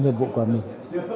hiện vụ của mình